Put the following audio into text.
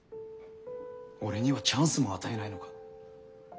俺にはチャンスも与えないのか。